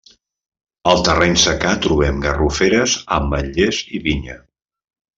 Al terreny secà trobem garroferes, ametlers i vinya.